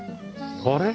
あれ？